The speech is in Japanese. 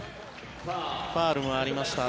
ファウルもありました。